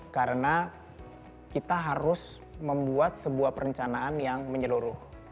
karena kita harus membuat sebuah perencanaan yang menyeluruh